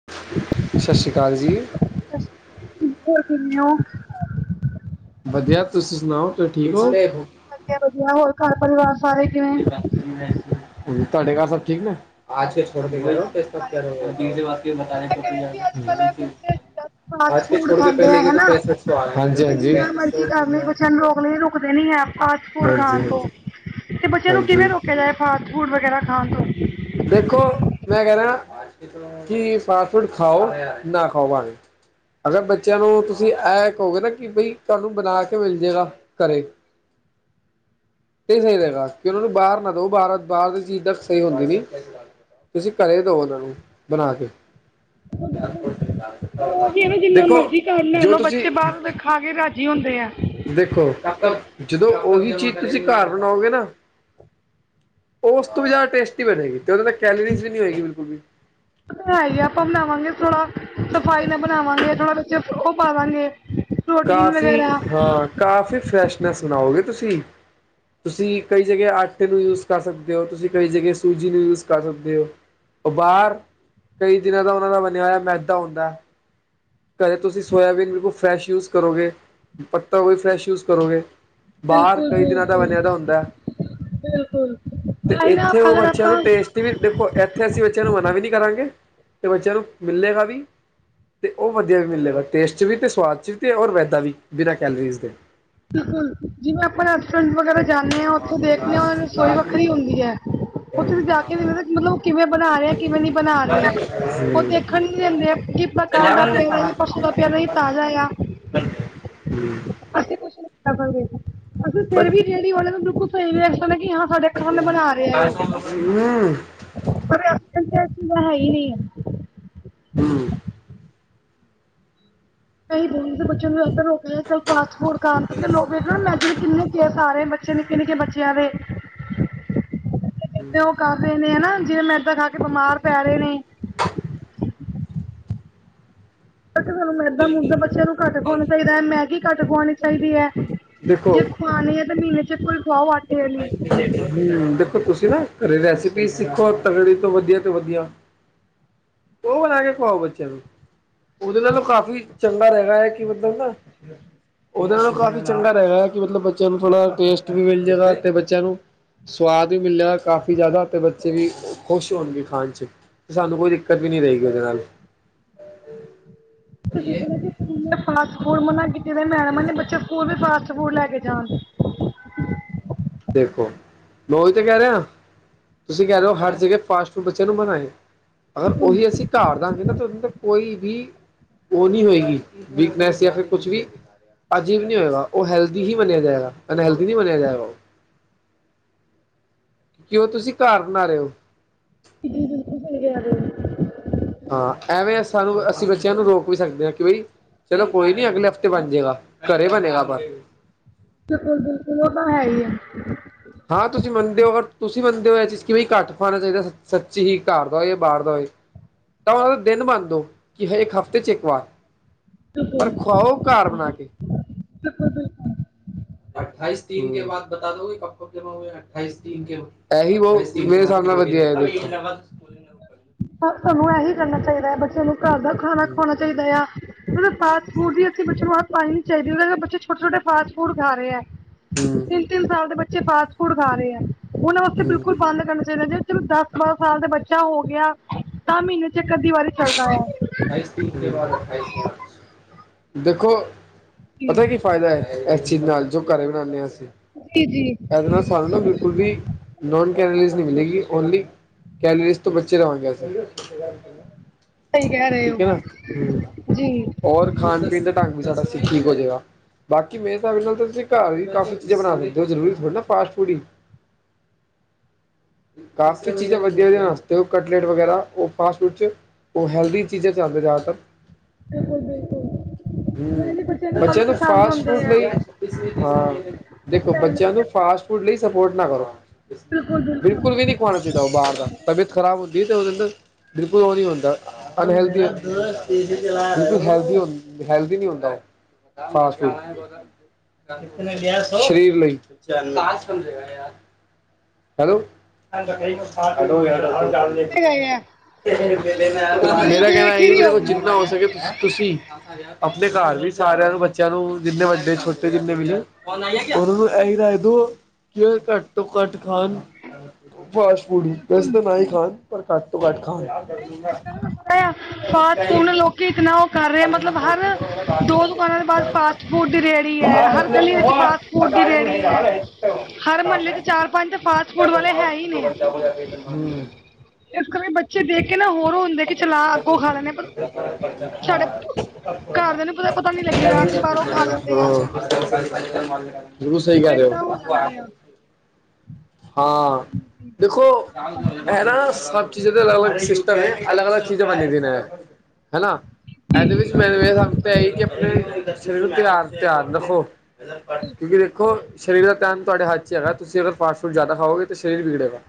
[inaudible] ਸਤਿ ਸ਼੍ਰੀ ਅਕਾਲ ਜੀ? ਹੋਰ ਕੋਈ ਨਿਊ ਵਧੀਆ ਤੁਸੀਂ ਸੁਣਾਓ ਠੀਕ ਹੋ ਵਧੀਆ -ਵਧੀਆ ਹੋਰ ਘਰ ਪਰਿਵਾਰ ਸਾਰੇ ਕਿਵੇਂ ਤੁਹਾਡੇ ਘਰ ਸਭ ਠੀਕ ਨੇ [unintelligible] ਹੈਲੋ ਫਾਸਟ ਆਜ ਕੇ ਫੂਡ ਛੋੜ ਕੇ ਖਾਂਦੇ ਆ ਪਹਿਲੇ ਗ ਹਨਾ। ਪੈਂਸਠ ਸੌ ਆ ਰਿਹਾ ਸੀ ਹਾਂਜੀ- ਹਾਂਜੀ। ਰੁਕ ਕੇ ਰੁਕਦੇ ਨੀ ਹੈ ਫਾਸਟ ਫੂਡ ਹਾਂਜੀ ਖਾਣ ਤੋਂ ਹਾਂਜੀ ਤੇ ਬੱਚਿਆਂ ਨੂੰ ਕਿਵੇਂ ਹਾਂਜੀ ਰੋਕਿਆ ਜਾਏ ਫਾਸਟ ਫੂਡ ਵਗੈਰਾ ਖਾਂਣ ਤੋਂ ਦੇਖੋ ਮੈਂ ਕਹਿ ਰਿਹਾ ਕਿ ਫਾਸਟ ਫੂਡ ਖਾਓ ਨਾ ਖਾਓ ਪਾਵੇ। ਅਗਰ ਬੱਚਿਆਂ ਨੂੰ ਤੁਸੀਂ ਇਹ ਕਹੋਗੇ ਨਾ ਕਿ ਬਈ ਤੁਹਾਨੂੰ ਬਣਾ ਕੇ ਮਿਲ ਜੇਗਾ ਘਰੇ। [inaudible] ਫਿਰ ਸਈ ਰਹੇਗਾ ਕਿ ਉਹਨਾਂ ਨੂੰ ਬਾਹਰ ਨਾ ਦੋ ਬਾਹਰ-ਬਾਹਰ ਦੀ ਚੀਜ਼ ਤਾਂ ਸਹੀ ਹੁੰਦੀ ਨੀ। ਤੁਸੀਂ ਘਰੇ ਦੋ ਉਹਨਾਂ ਨੂੰ ਬਣਾ ਕੇ ਪਰ ਉਹੀ ਹੈ ਨਾ ਜਿੰਨਾ ਦੇਖੋ ਮਰਜ਼ੀ ਘਰ ਲੈ ਜੋ ਲਓ ਤੁਸੀਂ ਬੱਚੇ ਬਾਹਰ ਦੇ ਖਾ ਕੇ ਰਾਜੀ ਹੁੰਦੇ ਹੈ [inaudible] ਦੇਖੋ ਜਦੋਂ ਉਹੀ ਚੀਜ਼ ਤੁਸੀਂ ਘਰ ਬਣਾਓਗੇ ਨਾ ਉਹ ਉਸ ਤੋਂ ਵੀ ਜ਼ਿਆਦਾ ਟੇਸਟੀ ਬਣੇਗੀ ਤੇ ਉਹ ਤਾਂ ਕੈਲਰੀਜ਼ ਵੀ ਨਹੀਂ ਹੋਏਗੀ ਬਿਲਕੁਲ ਵੀ ਬਣਾਈਏ ਆਪਾਂ ਬਣਾਵਾਂਗੇ ਥੋੜਾ ਸਫ਼ਾਈ ਨਾਲ ਬਣਾਵਾਂਗੇ ਥੋੜਾ ਬੱਚੇ ਉਹ ਪਾਵਾਂਗੇ ਪ੍ਰੋਟੀਨ ਕਾਫ਼ੀ ਵਗੈਰਾ ਹਾਂ ਕਾਫੀ ਫਰੈਸ਼ਨਨੈਸ ਬਣਾਓਗੇ ਤੁਸੀਂ ਤੁਸੀਂ ਕਈ ਜਗ੍ਹਾ ਆਟੇ ਨੂੰ ਯੂਜ ਕਰ ਸਕਦੇ ਹੋ ਤੁਸੀਂ ਕਈ ਜਗ੍ਹ ਸੂਜੀ ਨੂੰ ਯੂਜ ਕਰ ਸਕਦੇ ਹੋ ਉਹ ਬਾਹਰ ਕਈ ਦਿਨਾਂ ਦਾ ਉਹਨਾਂ ਦਾ ਬਣਿਆ ਹੋਇਆ ਮੈਦਾ ਹੁੰਦਾ ਘਰੇ ਤੁਸੀਂ ਸੋਇਆਬੀਨ ਬਿਲਕੁਲ ਫਰੈਸ਼ ਯੂਜ ਕਰੋਗੇ, ਪੱਤਾ ਗੋਭੀ ਫਰੈਸ਼ ਯੂਜ ਕਰੋਗੇ ਬਾਹਰ ਕਈ ਦਿਨਾਂ ਦਾ ਬਣਿਆ ਹੁੰਦਾ ਬਿਲਕੁਲ ਆ ਨਾ ਅਗਰ ਆਪਾਂ ਤੇ ਏਥੇ ਦੇਖੋ ਇੱਥੇ ਅਸੀਂ ਬੱਚਿਆਂ ਨੂੰ ਮਨਾ ਵੀ ਨਹੀਂ ਕਰਾਂਗੇ ਤੇ ਬੱਚਿਆਂ ਨੂੰ ਮਿਲੇਗਾ ਵੀ ਤੇ ਉਹ ਵਧੀਆ ਵੀ ਮਿਲੇਗਾ ਟੇਸਟ 'ਚ ਵੀ ਤੇ ਸਵਾਦ 'ਚ ਵੀ ਅਤੇ ਔਰ ਵੈਦਾ ਵੀ ਬਿਨਾਂ ਕੈਲਰੀਜ਼ ਦੇ ਜਿਵੇਂ ਆਪਾਂ [unintelligible] ਵਗੈਰਾ ਜਾਣੇ ਆ ਉੱਥੇ ਦੇਖਦੇ ਹਾਂ ਰਸੋਈ ਵੱਖਰੀ ਹੁੰਦੀ ਐ ਉੱਥੇ ਜਾ ਕੇ ਮਤਲਬ ਕਿਵੇਂ ਬਣਾ ਰਹੇ ਐ ਕਿਵੇਂ ਨੀ ਬਣਾ ਰਹੇ ਐ ਉਹ ਦੇਖਣ ਨੀ ਦਿੰਦੇ ਆ ਕਿ ਪਤਾ ਕੱਲ ਦਾ ਪਿਆ ਦਾ ਹੀ ਪਰਸੋ ਦਾ ਪਿਆ ਹੀ ਤਾਜ਼ਾ ਆ ਹੂੰ, ਅਸੀਂ ਕੁਛ ਫਿਰ ਵੀ ਡੇਅਰੀ ਵਾਲੇ ਨੂੰ ਬਿਲਕੁਲ ਵੀ ਲੱਗੇ ਹਾਂ ਤੁਹਾਡੇ ਸਾਹਮਣੇ ਹੀ ਬਣਾ ਰਿਹਾ ਉਹ ਚੀਜ਼ ਬਣਾ ਰਹੇ ਆ ਹੀ ਨਹੀਂ ਹੈ ਹੂੰ, ਕਈ ਰੋ ਦੇ ਬੱਚਿਆਂ ਨੂੰ ਰੋਕ ਫਾਸਟ ਫੂਡ ਖਾਣ ਲੋਕ ਵਖ ਮੈ ਕਿਨੇ ਕੇਸ ਆ ਰਹੇ ਨਿੱਕੇ ਨਿੱਕੇ ਬੱਚਿਆਂ ਦੇ ਉਹ ਏ ਨੇ ਜਿਵੇਂ ਮੈਦਾਂ ਖਾ ਕੇ ਬਿਮਾਰ ਪੈ ਰਹੇ ਨੇ ਇਦਾਂ ਮੈਦਾ ਮੁੱਦਾ ਬੱਚਿਆਂ ਨੂੰ ਘੱਟ ਖਵਾਣਾ ਚਾਹੀਦਾ ਮੈਗੀ ਘੱਟ ਖ਼ਵਾਣੀ ਚਾਹੀਦੀ ਐ ਜੇ ਦੇਖੋ ਖਵਾਨੀ ਐ ਤਾਂ ਮਹੀਨੇ ਵਿੱਚ ਇੱਕ ਵਾਰ ਖਵਾਓ। ਆਟੇ ਵਾਲੀ ਤੇ ਹੂੰ, ਦੇਖੋ ਤੁਸੀਂ ਨਾ ਘਰੇ ਰੈਸਿਪੀ ਸਿੱਖੋ ਤੋਂ ਵਧੀਆ, ਤੋਂ ਵਧੀਆ। ਉਹ ਬਣਾ ਕੇ ਖਵਾਓ ਬੱਚਿਆਂ ਨੂੰ, ਉਹਦੇ ਨਾਲ ਕਾਫ਼ੀ ਚੰਗਾ ਰਹਿਗਾ ਕਿ ਮਤਲਬ ਨਾ ਉਹਦੇ ਨਾਲ ਕਾਫ਼ੀ ਚੰਗਾ ਰਹਿਗਾ ਕੀ ਮਤਲਬ ਬੱਚਿਆਂ ਨੂੰ ਥੋੜ੍ਹਾ ਟੇਸਟ ਵੀ ਮਿਲ ਜਾਏਗਾ ਤੇ ਬੱਚਿਆਂ ਨੂੰ ਸਵਾਦ ਵੀ ਮਿਲਿਆ ਕਾਫ਼ੀ ਜ਼ਿਆਦਾ ਤੇ ਬੱਚੇ ਵੀ ਖੁਸ਼ ਹੋਣਗੇ ਖਾਣ ਚ ਤੇ, ਸਾਨੂੰ ਕੋਈ ਦਿੱਕਤ ਵੀ ਨਹੀਂ ਰਹੇਗੀ ਉਹਦੇ ਨਾਲ। [unintelligible] ਫਾਸਟ ਫੂਡ ਮੈਡਮ ਨੇ ਬੱਚੇ ਸਕੂਲ ਵੀ ਫਾਸਟ ਫੂਡ ਲੈ ਕੇ ਜਾਣ ਦੇਖੋ ਮੈਂ ਉਹੀ ਤੇ ਕਹਿ ਰਿਹਾ ਤੁਸੀਂ ਕਹਿ ਰਹੇ ਹੋ ਹਰ ਜਗ੍ਹਾ ਫਾਸਟ ਫੂਡ ਬੱਚਿਆਂ ਨੂੰ ਬਣਾਏ, ਅਗਰ ਉਹੀ ਅਸੀਂ ਘਰ ਦਾਂਗੇ ਨਾ ਤੇ ਉਹ ਕੋਈ ਵੀ ਉਹ ਨਹੀਂ ਹੋਏਗੀ ਵਿਕਨੈਸ ਜਾਂ ਫਿਰ ਕੁਛ ਵੀ ਅਜੀਬ ਨਹੀਂ ਹੋਏਗਾ ਉਹ ਹੈਲਦੀ ਹੀ ਮੰਨਿਆ ਜਾਏਗਾ, ਅਨਹਲਦੀ ਨਹੀਂ ਮੰਨਿਆ ਜਾਏਗਾ ਓ। ਕਿਉਂ ਤੁਸੀਂ ਘਰ ਬਣਾ ਰਹੇ ਹੋ। [unintelligible] ਹਾਂ, ਐਵੇਂ ਸਾਨੂੰ ਅਸੀਂ ਬੱਚਿਆਂ ਨੂੰ ਰੋਕ ਵੀ ਸਕਦੇ ਆ ਕੀ ਬਈ ਚਲੋ ਕੋਈ ਨੀ ਅਗਲੇ ਹਫ਼ਤੇ ਬਣ ਜੇਗਾ, ਘਰੇ ਬਣੇਗਾ ਬਸ ਬਿਲਕੁਲ-ਬਿਲਕੁਲ ਉਹ ਤਾਂ ਹੈਈ ਐ, ਹਾਂ ਤੁਸੀਂ ਮੰਨਦੇ ਹੋ ਤੁਸੀਂ ਮੰਨਦੇ ਹੋ ਇਹ ਚੀਜ਼ ਕਿਵੇਂ ਘੱਟ ਖਵਾਣਾ ਚਾਹੀਦਾ ਸੱਚੀ ਹੀ ਘਰ ਦਾ ਹੋਏ ਜਾਂ ਬਾਹਰ ਦਾ ਹੋਏ ਤਾਂ ਉਹਨਾਂ ਦਾ ਦਿਨ ਬਣ ਦਉ ਕਿ ਇੱਕ ਹਫ਼ਤੇ ਚ ਇੱਕ ਵਾਰ ਖਾ, ਬਿਲਕੁਲ ਪਰ ਖਵਾਓ ਘਰ ਬਣਾ ਕੇ ਬਿਲਕੁਲ ਬਿਲਕੁਲ ਅਠਾਈਸ ਤੀਨ ਕੇ ਬਾਦ ਬਤਾ ਦੋਗੇ ਕਬ ਕਬ ਜਮਾ ਹੋਏ। ਇਹੀ ਨੇ ਮੇਰੇ ਹਿਸਾਬ ਨਾਲ [unintelligible] ਪੂਰੇ ਨਾ ਕਰ। ਸਾਨੂੰ ਇਹੀ ਕਰਨਾ ਚਾਹੀਦਾ ਆ ਬੱਚਿਆਂ ਨੂੰ ਘਰ ਦਾ ਖਾਣਾ ਹਮ ਖਵਾਣਾ ਚਾਹੀਦਾ ਆ ਮਤਲਬ ਫਾਸਟ ਫੂਡ ਦੀ ਅਸੀਂ ਬੱਚੇ ਨੂੰ ਹੱਥ ਪਾਣੀ ਨੀ ਚਾਹੀਦੀ ਬੱਚੇ ਛੋਟ-ਛੋਟੇ ਫਾਸ ਫੂਡ ਖਾ ਰਹੇ ਐ। ਹਮ ਤਿੰਨ-ਤਿੰਨ ਸਾਲ ਦੇ ਬੱਚੇ ਫਾਸਟ ਫੂਡ ਖਾ ਰਹੇ ਉਹਨਾਂ ਵਾਸਤੇ ਹਮ ਬਿਲਕੁਲ ਬੰਦ ਕਰਨਾ ਚਾਹੀਦਾ ਜੇ ਚਲੋ ਦਸ-ਬਾਰਾਂ ਸਾਲ ਦਾ ਬੱਚਾ ਹੋ ਗਿਆ ਤਾਂ ਮਹੀਨੇ ਚ ਇੱਕ ਅੱਧੀ ਵਾਰੀ ਚੱਲਦਾ ਵਾ ਦੇਖੋ, ਪਤਾ ਕੀ ਫਾਇਦਾ ਇਸ ਚੀਜ਼ ਨਾਲ ਜੋ ਘਰੇ ਬਣਾਂਦੇ ਆ ਅਸੀਂ ਜੀ-ਜੀ ਇਹਦੇ ਨਾਲ ਸਾਨੂੰ ਨਾ ਬਿਲਕੁਲ ਵੀ ਨੋਨ ਕੈਲਰੀਜ਼ ਨਹੀਂ ਮਿਲੇਗੀ ਓਨਲੀ ਕੈਲਰੀਜ਼ ਤੋਂ ਬੱਚੇ ਰਵਾਂਗੇ। ਸਹੀ ਕਹਿ ਰਹੇ ਹੋ ਠੀਕ ਐ ਨਾ ਹ ਜੀ ਹੋਰ ਖਾਣ ਪੀਣ ਦਾ ਢੰਗ ਵੀ ਸਾਡਾ ਠੀਕ ਹੋਜੇਗਾ ਬਾਕੀ ਮੇਰੇ ਹਿਸਾਬ ਨਾਲ ਤੁਸੀਂ ਘਰ ਵੀ ਕਾਫ਼ੀ ਚੀਜ਼ਾਂ ਬਣਾ ਲੈਂਦੇ ਹੋ ਜ਼ਰੂਰੀ ਮਤਲਬ ਫਾਸਟ ਫੂਡ ਹੀ। [inaudible] ਕਾਫੀ ਚੀਜ਼ਾਂ ਵਧੀਆ ਆਵਾ ਤੇ ਉਹ ਕਟਲੇਟ ਵਗੈਰਾ, ਉਹ ਫਾਸਟ ਫੂਡ ਚ ਉਹ ਹੈਲਦੀ ਚੀਜ਼ਾਂ ਚ ਆਂਦੇ ਜ਼ਿਆਦਾਤਰ ਬਿਲਕੁਲ-ਬਿਲਕੁਲ ਹੂੰ, ਵੈਸੇ ਆਲੂ ਬੱਚਿਆਂ ਨੂੰ ਪਸੰਦ ਫਾਸਟ ਹੁੰਦੇ ਫੂਡ ਆ ਲਈ ਹਾਂ, ਦੇਖੋ ਬੱਚਿਆਂ ਦੇ ਫਾਸਟ ਫੂਡ ਲਈ ਸਪੋਰਟ ਨਾ ਕਰੋ, ਬਿਲਕੁਲ-ਬਿਲਕੁਲ ਬਿਲਕੁਲ ਵੀ ਨੀ ਪਾਉਣਾ ਚਾਹੀਦਾ ਉਹ ਬਾਹਰ ਦਾ, ਤਬੀਅਤ ਖ਼ਰਾਬ ਹੁੰਦੀ ਏ ਤੇ ਓਦੇ ਅੰਦਰ, ਬਿਲਕੁਲ ਉਹ ਨੀ ਹੁੰਦਾ, ਅਨਹੇਲਦੀ ਬਿਲਕੁਲ ਹੈਲ-ਹੈਲਦੀ ਨੀ ਹੁੰਦਾ ਓ ਫਾਸ਼ਟ ਫੂਡ। ਸ਼ਰੀਰ ਲਈ ਅਜ ਸਮਝਗਾ ਯਾਰ ਹੈਲੋ [unintelligible] ਕਈ ਕੰਮ ਨੇ। [unintelligible] ਮੇਰਾ ਕਹਿਣਾ ਇਹ ਕਿ ਦੇਖੋ ਜਿੰਨਾ ਹੋ ਸਕੇ ਤੁਸੀਂ ਅਪਨੇ ਘਰ ਵੀ ਸਾਰਿਆਂ ਨੂੰ ਬੱਚਿਆਂ ਨੂੰ, ਜਿੰਨੇ ਵੱਡੇ-ਛੋਟੇ ਜਿੰਨੇ ਬੀ ਨੇ ਉਹਨਾਂ ਨੂੰ ਇਹੀ ਰਹਿ ਦੋ ਕਿ ਘੱਟ ਤੋਂ-ਘੱਟ ਖਾਨ [unintelligible] ਫਾਸਟ ਫੂਡ ਵੈਸੇ ਤਾਂ ਨਾ ਹੀ ਖਾਨ, ਪਰ ਘੱਟ ਤੋਂ ਘੱਟ ਖਾਣ। ਨਹੀਂ ਅੱਜ-ਕੱਲ੍ਹ ਥੋੜਾ ਜੇਆ ਫਾਸ਼ਟ-ਫੂਡ ਲੋਕੀ ਇਤਨਾ ਉਹ ਕਰ ਰਹੇ ਆ, ਮਤਲਬ ਹਰ ਦੋ ਦੁਕਾਨਾਂ ਦੇ ਬਾਅਦ ਫਾਸਟ ਫੂਡ ਦੀ ਰੇਹੜੀ ਐ, ਹਰ ਗਲੀ ਵਿੱਚ ਫਾਸਟ ਫੂਡ ਦੀ ਰੇਹੜੀ। ਹੈ। ਹਰ ਮਹੱਲੇ 'ਚ ਚਾਰ ਪੰਜ ਤਾਂ ਫਾਸਟ [unintelligible] ਫੂਡ ਵਾਲੇ ਹੈ [unintelligible] ਇਕ ਬੱਚੇ ਦੇਖ ਕੇ ਨਾ ਹੋਰ ਹੁੰਦੇ ਕਿ ਚਲਾ ਅੱਗੋਂ ਖਾ ਲੈਂਣੇ ਪਰ ਸਾਡੇ- [unintelligible] [unintelligible] ਦੇ ਨੂੰ ਪਤਾ ਰ ਪਤਾ ਨਹੀਂ ਲੱਗੇਗਾ ਅਸੀਂ ਬਾਹਰੋਂ ਖਾ ਲੈਂਦੇ ਆ ਰੋਸੇ ਕਰ ਰ ਹੋ ਏਦਾਂ [unintelligible] ਜਾਂਦਾ ਆ ਹਾਂ, ਦੇਖੋ ਇਹ ਨਾ ਸਭ ਚੀਜ਼ਾਂ ਦੇ ਅਲੱਗ- ਅਲੱਗ ਅਲਗ ਅਲਗ ਚੀਜ਼ੇ ਬਣੀ ਦੀ ਨੇ, ਹਨਾ ਇਹਦੇ ਵਿੱਚ ਮੈਨੂੰ ਇਹ ਸਭ ਦਾ ਆਪਣੇ ਸਰੇਆ ਦਾ ਧਿਆਨ ਧਿਆਨ ਰੱਖੋ [unintelligible] [unintelligible] ਕਿਉਕਿ ਦੇਖੋ, ਸਰੀਰ ਦਾ ਧਿਆਨ ਤੁਹਾਡੇ ਹੱਥ 'ਚ ਹੈਗਾ ਤੁਸੀਂ ਅਗਰ ਪਾਸ ਫਜਿਆਦਾ ਖਾਓਗੇ ਤੇ ਸਰੀਰ ਬਿਗੜੇਗਾ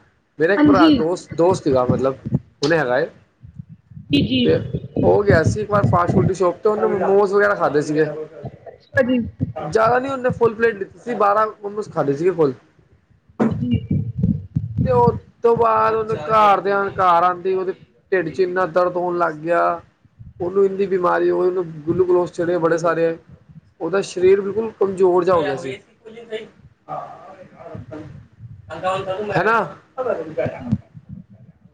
ਮੇਰਾ ਇਕਰਾ ਹਾਂਜੀ ਦਸਤ ਦੋਸਤ ਸੀਗਾ ਮਤਲਬ ਉਹੁਨ ਹੈਗਾਏ [unintelligible] [unintelligible] ਕਿ ਚੀਜ- [inaudible] ਉਹ ਗਿਆ ਸੀ ਇਕ ਵਾਰ ਫਾਸਟ ਫੂਡ ਦੀ ਸ਼ੋਪ ਤੇ ਉਹਨੇ ਮੋਮੋਜ਼ ਵਗੈਰਾ ਖਾਧੇ ਸੀਗੇ ਹਾਂਜੀ ਜ਼ਿਆਦਾ ਨਹੀ ਉਹਨੇ ਫੁੱਲ ਪਲੇਟ ਲਿਤੀ ਸੀ ਬਾਰਾਂ ਮੋਮੋਸ ਖਾਧੇ ਸੀਗੇ ਫੁੱਲ। ਜ [unintelligible] ਤੇ ਉਸਤ ਤੋਂ ਬਾਅਦ ਉਹਦੇ ਘਰ ਦੇ ਕਾਰ ਆਉਦੇ ਉਹਦੇ [unintelligible] ਢਿੱਡ 'ਚ' ਇੰਨਾ ਦਰਦ ਹੋਣ ਲੱਗ ਗਿਆ ਉਹਨੂੰ ਇੰਨੀ ਬਿਮਾਰੀ ਹੋ ਗਈ ਉਨੂਂ ਗੂਲੂਗਲੋਸ ਚੜੇ ਬੜੇ ਸਾਰੇ। ਉਹਦਾ ਸ਼ਰੀਰ ਬਿਲਕੁਲ ਕਮਜ਼ੋਰ ਜਾ ਹੋਗਯਾ ਸੀ। ਹੈਨਾ?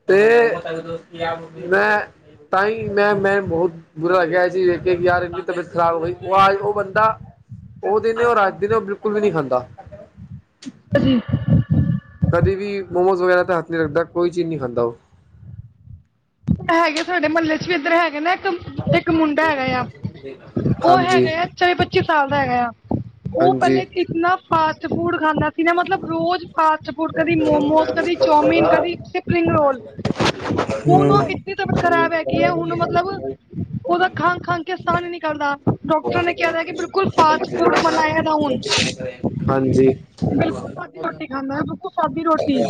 ਤੇ, ਮੈਂ ਤਾਂ ਹੀ ਮੈਂ-ਮੈਂ ਬਹੁਤ ਬੁਰਾ ਲੱਗਿਆ ਸੀ ਵੇਖ ਕੇ ਯਾਰ ਤਬੀਅਤ ਖਰਾਬ ਹੋਗਈ ਉਹ ਬੰਦਾ ਉਹ ਦਿਨ ਉਹ ਰਾਜ ਦਿ ਨੇ ਉਹ ਬਿਲਕੁਲ ਵੀ ਨਹੀਂ ਖਾਂਦਾ ਹਾਂਜੀ [unintelligible] ਕਦੇ ਵੀ ਮੋਮੋਜ਼ ਵਗੈਰਾ ਤਾਂ ਹੱਥ ਨਹੀ ਰੱਖਦਾ ਕੋਈ ਚੀਜ਼ ਨਹੀ ਖਾਂਦਾ ਉਹ। ਹੈਗੇ ਸਾਡੇ ਮਹੱਲੇ 'ਚ' ਵੀ ਇੱਧਰ ਹੈਗੇ ਨਾ ਇੱਕਮ ਇਕ ਮੁੰਡਾ ਹੈਗਾ ਯਾ, ਉਹ ਹਾਂਜੀ ਹੈਗਾ ਯਾ ਚੋਵੀ ਪੱਚੀ ਸਾਲ ਦਾ ਹੈਗਾ ਯਾ। ਉਹ ਹਾਂਜੀ ਪਹਿਲੇ ਕਿਤਨਾ ਫਾਸਟ ਫੂਡ ਖਾਂਦਾ ਸੀ ਨਾ ਮਤਲਬ ਰੋਜ਼ ਫਾਸਟ ਫੂਡ ਕਦੀ ਮੋਮੋਜ਼ ਕਦੀ ਚੌਮੀਨ ਕਦੀ ਸਪਰਿੰਗ ਰੋਲ। ਮਨ ਇੰਨੀ ਤਬੀਅਤ ਖਰਾਬ ਹੈ ਕੀ ਐ, ਹੁਣ ਮਤਲਬ ਉਹਦਾ ਖਾਂ ਖਾਂਘ ਕੇ ਸਸਾਹ ਨੀ ਨਿਕਲਦਾ, ਡਾਕਟਰ ਨੇ ਕਿਹਾ ਬਿਲਕੁਲ ਫਾਸਟ ਫੂਡ ਮਨਾ ਐ ਹੁਨ। ਹਾਂਜੀ। ਸਾਦੀ ਰੋਟੀ ਖਾਂਦਾ ਹੈ ਬਿਲਕੁਲ ਸਾਦੀ ਰੋਟੀ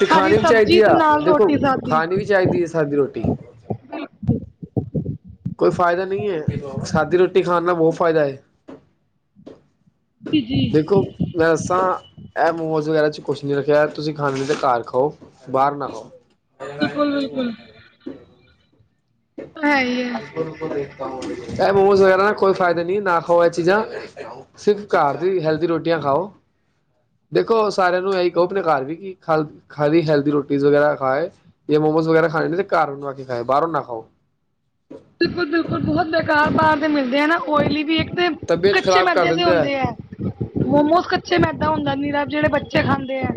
ਤੇ ਹਰੀ ਖਾਨੀ ਵੀ ਚਾਈਦੀ ਸਬਜ਼ੀ ਆ, ਤੇ ਨਾਲ ਦੇਖੋ ਰੋਟੀ ਖਾਨੀ ਵੀ ਚਾਈਦੀ ਆ ਸਾਦੀ ਰੋਟੀ। ਹ [unintelligible] ਕੋਈ ਫਾਇਦਾ ਨਹੀ ਐਂ, ਸਾਦੀ ਰੋਟੀ ਖਾਨ ਨਾਲ ਬਹੁਤ ਫਾਇਦਾ ਏ। ਜੀ ਦੇਖੋ ਮੈ ਦਸਾਂ ਇਹ ਮੋਮੋਜ਼ ਵਗੈਰਾ 'ਚ ਕੁਛ ਨਹੀ ਰੱਖਿਆ ਤੁਸੀਂ ਖਾਣੇ ਤਾਂ ਘਰ ਖਾਓ। ਬਾਹਰ ਨਾ ਖਾਓ। ਹੈ ਹੀ ਹੈ ਕੱਲ ਬਲ [unintelligible] ਇਹ ਮੋਮੋਜ਼ ਵਗੈਰਾ ਕੋਈ ਫਾਇਦਾ ਨਹੀ ਨਾ ਖਾਓ ਇਹ ਚੀਜ਼ਾ। ਸਿਰਫ ਘਰ ਦੀ ਹੈਲਦੀ ਰੋਟੀਆਂ ਖਾਓ। ਦੇਖੋ ਸਾਰਿਆਂ ਨੂੰ ਇਹੀ ਕਹੋ ਆਪਣੇ ਘਰ ਵੀ ਕਿ ਖਾਲ ਖਾਲੀ ਹੈਲਦੀ ਰੋਟੀ ਵਗੈਰਾ ਖਾਏ। ਇਹ ਮੋਮੋਜ਼ ਵਗੈਰਾ ਖਾਣੇ ਨੇ ਤੇ ਘਰ ਬਨਾ ਕੇ ਖਾਓ ਬਿਲਕੁਲ- ਬਿਲਕੁਲ ਬਹੁਤ ਬੇਕਾਰ ਬਾਹਰ ਮਿਲਦੇ ਆ ਨਾ ਓਇਲੀ ਵੀ ਇੱਕ ਤਬੀਅਤ ਕੱਚੇ ਖ਼ਰਾਬ ਕਰ ਮੈਦੇ ਦੇ ਦਿੰਦੇ ਹੁੰਦੇ ਹੈ। ਹਮ ਮੋਮੋਸ ਕੱਚੇ ਮੈਦਾ ਹੁੰਦਾ ਨਿਰਾ ਜਿਹੜੇ ਬੱਚੇ ਖਾਂਦੇ ਆ।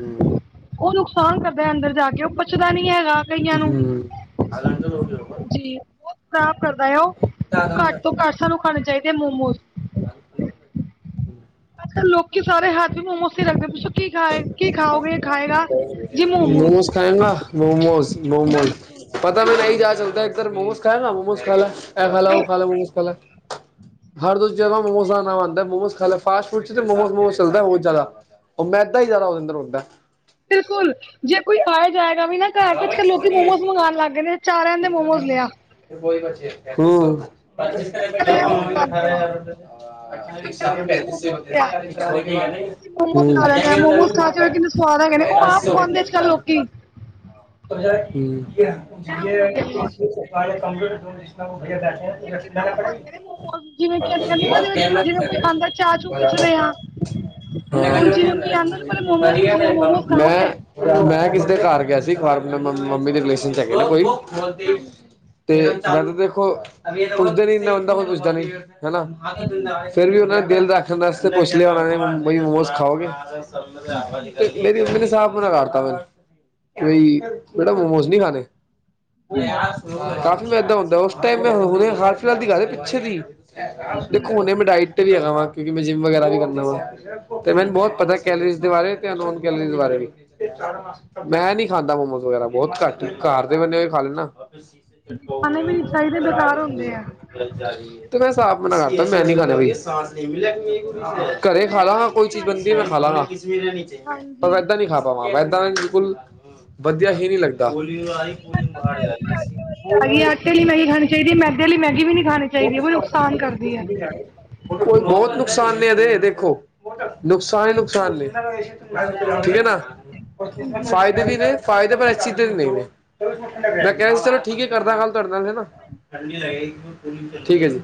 ਹਮ [inaudible] ਉਹ ਨੁਕਸਾਨ ਕਰਦੇ ਅੰਦਰ ਜਾ ਕੇ ਉਹ ਪਚਦਾ ਨੀ ਹੈਗਾ। ਕਈਆਂ ਹਮ ਨੂੰ ਹ ਜਾਣ ਚ [unintelligible] ਜਾਊ ਜ ਬਬ ਖਰਾਬ ਕਰਦਾ ਓ ਘੱਟ ਤੋਂ ਘੱਟ ਸਾਨੂੰ ਖਾਣੇ ਚਾਹੀਦੇ ਮੋਮੋਜ। ਆ ਪਦਾ [inaudible] ਅੱਛਾ ਲੋਕੀ ਸਾਰੇ ਹੱਥ ਵੀ ਮੋਮੋਸ ਹੀ ਰੱਖਗ ਦੇ ਪਛ ਕੀ ਖਾਏ ਕੀ ਖਾਓਗੇ ਖਾਏਗਾ ਜੀ ਮੋਮੋਸ। ਖਾਏਗਾ ਮੋਮੋਜ਼- ਮੋਮੋਜ਼ ਪਤਾ ਮੈਂ ਨਹੀ ਜਾ ਚਲਦਾ ਇੱਧਰ ਮੋਮੋਸ। ਹੈ ਮੋਮੋਜ ਖਾਲ ਐ ਖਾਲਾ ਉਹ ਖਾਲਾ ਮੋਮੋਜ ਖਾਲਾ। ਹਰ ਰੋਜ਼ ਜ ਮੋਮੋ ਦਾ ਨ ਆਂਦਾ ਮੋ ਖ ਫਾਸ ਫੂ ਚ ਮੋਸ ਮੋਸ ਚਲਦਾ ਬਹੁਤ ਜ਼ਿਆਦਾ। ਉਹ ਮੈਦਾ ਹੀ ਜ਼ਿਆਦਾ ਉਹਦੇੰ ਅੰਦਰ ਹੁੰਦਾ। ਬਿਲਕੁਲ ਜੇ ਕੋਈ ਆਏ। ਜਾਏਗਾ ਵੀ ਨਾ ਘਰ ਲੋਕੀ ਮੋਮੋਜ਼ ਮੰਗਵਾਉਣ ਲੱਗ ਗਏ ਚਾਰ ਦੇ ਮੋਮੋਜ਼ ਲਿਆ। ਅਠਾਰਾਂ ਹਜ਼ਾਰ ਰ ਸ ਪੈਂਤੀ ਅਸੀਂ ਮੋਮੋਸ ਖਾ ਲੈਂਦੇ ਹਾਂ ਮੋਮੋਸ ਖਾ ਕੇ ਕਿੰਨੇ ਸਵਾਦ [inaudible] ਹੈਗੇ ਨੇ ਉਹ ਆਪ ਖਵਾਉਂਦੇ ਹੋਰ ਅੱਜ ਕੱਲ੍ਹ ਲੋਕੀ ਇੱਕ ਸੁਨ ਕਿੰਨਾ ਉਹ ਪੜੇ ਪਾਉਂਦੇ ਨੇ ਮੋਮੋਸ [inaudible] ਚਾਚੂ ਪੁੱਛਦੇ ਆ। ਹੁਣ ਜਿਵੇਂ ਕੋਈ ਆਂਦਾ ਨੂੰ ਪਹਿਲੇ ਮੋਮੋਸ ਪੁੱਛਦੇ ਆ ਮੋਮੋਸ ਖਾਓਗੇ ਮੈਂ ਮੈਂ ਕਿਸੇ ਦੇ ਘਰ ਗਿਆ ਸੀ ਫਾਰਮ ਮੰਮੀ ਦੇ ਰਿਲੇਸ਼ਨ ਚ ਹੈਗੇ ਨੇ ਕੋਈ। ਤੇ ਮੈਂ ਤਾਂ ਦੇਖੋ ਪੁੱਛਦੇ ਨੀ ਬੰਦਾ ਕੋਈ ਪੁੱਛਦਾ ਨੀ ਹਨਾ। ਫੇਿਰ ਵੀ ਉਹਨਾਂ ਨੇ ਦਿਲ ਰੱਖਣ ਵਾਸਤੇ ਪੁੱਛ ਲਿਆ ਉਹਨਾਂ ਨੇ ਬਈ ਮੋਮੋਸ ਖਾਓਗੇ। ਮੇਰੀ ਮੰਮੀ ਨੇ ਸਾਫ ਮਨਾ ਕਰਤਾ। ਕਿ ਬਈ ਬੇਟਾ ਮੋਮੋਸ ਨਹੀਂ ਖਾਣੇ। ਕਾਫ਼ੀ ਮੈਦਾ ਹੁੰਦਾ ਉਸ ਟਾਈਮ ਮੈਂ ਹੁਣੇ ਹਾਲ ਫਿਲਹਾਲ ਦੀ ਗੱਲ ਪਿੱਛੇ ਦੀ। ਦੇਖੋ ਹੁਣੇ ਮੈਂ ਡਾਇਟ ਤੇ ਵੀ ਹੈਗਾ ਵਾਂ ਕਿਉਕਿ ਮੈਂ ਜਿੰਮ ਵਗੈਰਾ ਵੀ ਕਰਨਾ ਵਾ ਤੇ ਮੈਨੂੰ ਬਹੁਤ ਪਤਾ। ਕੈਲਰੀਜ਼ ਦੇ ਬਾਰੇ ਤੇੋ ਨੋਨ ਕੈਲਰੀ ਬਾਰੇ ਵੀ। ਮੈਂ ਨੀ ਖਾਂਦਾ ਮੋਮੋਸ ਵਗੈਰਾ ਬਹੁਤ ਘੱਟ ਘਰ ਦੇ ਬਣੇ ਹੋਏ ਖਾ ਲੈਦਾ। ਖਾਣੇ ਵੀ ਨਹੀਂ ਚਾਹੀਦੇ ਰਾ ਬੇਕਾਰ ਹੁੰਦੇ ਆ ਤੇ ਮੈਂ ਸਾਫ਼ ਮਨਾ ਕਰਤਾ ਮੈਂ ਨੀ ਖਾਣਾ ਭਈਆ। ਘਰੇ ਖਾ ਲਾਗਾ ਕੋਈ ਚੀਜ਼ ਬਣਦੀ ਮੈਂ ਖਾ ਲਗਾਂ ਇਦਾਂ ਨੀ ਖਾ ਪਾ। ਮੈਦਾ ਬਿਲਕੁਲ ਵਧੀਆ ਹੀ ਨੀ ਲੱਗਦਾ। ਅੱਜ ਮੈਗੀ ਵੀ ਆਟੇ ਵਾਲੀ ਆ ਗਈ ਆਟੇ ਲਈ ਮੈਗੀ ਖਾਣੀ ਚਾਹੀਦੀ ਹੈ ਮੈਦੇ ਵਾਲ ਲਈ ਮੈਗੀ ਵੀ ਨਹੀਂ। ਖਾਣੀ ਚਾਹੀਦੀ ਹੈ ਉਹ ਨੁਕਸਾਨ ਕਰਦੀ ਹੈ। ਕਿਆ ਉਹ ਤਾਂ ਕੋਈ ਹੋਰ ਨੁਕਸਾਨ ਦੇ ਦੇ ਦੇਖੋ। ਨੁਕਸਾਨ ਹੀ ਨੁਕਸਾਨ ਨੇ ਠੀਕ ਹੈ ਨਾ ਫਾਇਦੇ ਵੀ ਨੇ। ਫਾਇਦੇ ਪਰ ਇਸ ਚੀਜ਼ ਦੇ ਨਹੀਂ ਮੈਂ ਕਹਿ ਸੀ ਚਲੋ ਠੀਕ ਹੈ। ਕਰਦਾ ਖੱਲ ਦੇ ਦਵਾਂ। ਠੀਕ ਹੈ ਜੀ।